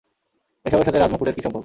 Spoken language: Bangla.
এসবের সাথে রাজ-মুকুটের কী সম্পর্ক?